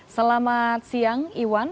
selamat siang iwan